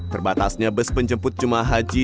terbatasnya bus penjemput jemaah haji